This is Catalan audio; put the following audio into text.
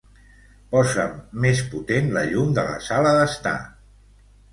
Posa'm més potent la llum de la sala d'estar.